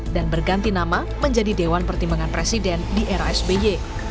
dan berganti nama menjadi dewan pertimbangan presiden di era sby